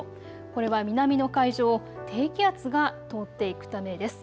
これは南の海上を低気圧が通っていくためです。